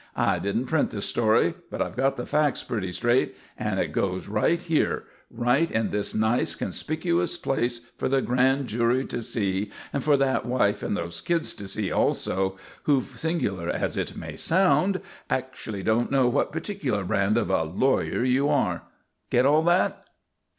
I didn't print the story, but I've got the facts pretty straight; and it goes right here right in this nice, conspicuous place for the grand jury to see and for that wife and those 'kids' to see also, who, singular as it may sound, actually don't know what particular brand of a 'lawyer' you are. Get all that?"